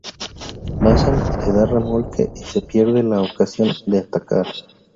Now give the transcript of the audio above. Bazán le da remolque y se pierde la ocasión de atacar.